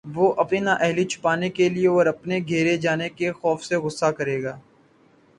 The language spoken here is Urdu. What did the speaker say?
وہ اپنی نااہلی چھپانے کے لیے اور اپنے گھیرے جانے کے خوف سے غصہ کرے گا